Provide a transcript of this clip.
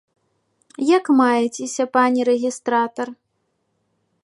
Як маецеся, пане рэгістратар?